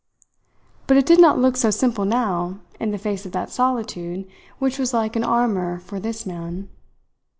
But it did not look so simple now in the face of that solitude which was like an armour for this man.